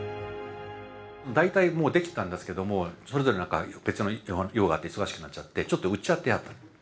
大体もうできてたんですけどもそれぞれ何か別の用があって忙しくなっちゃってちょっとうっちゃってあった。